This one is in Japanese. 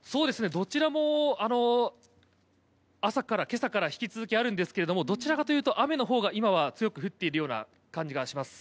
どちらも朝から今朝から引き続きあるんですがどちらかというと雨のほうが今は強く降っている感じがします。